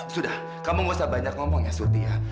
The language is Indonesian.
sudah kamu gak usah banyak ngomong ya suti ya